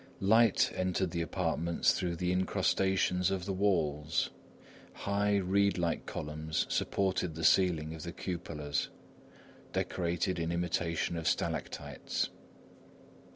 Light entered the apartments through the incrustations of the walls. High, reed like columns supported the ceiling of the cupolas, decorated in imitation of stalactites.